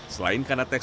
selain karena teksturnya